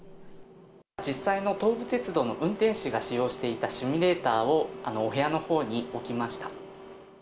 実際の東武鉄道の運転士が使用していたシミュレーターをお部屋のほうに置きました。